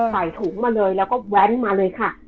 ใส่ถุงมาเลยแล้วก็แว้นมาเลยค่ะ